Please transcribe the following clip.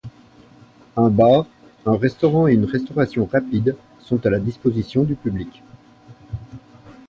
Un bar, un restaurant et une restauration rapide sont à la disposition du public.